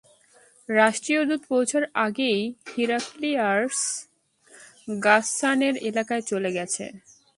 রাষ্ট্রীয় দূত পৌঁছার আগেই হিরাক্লিয়াস গাসসানের এলাকায় চলে আসে।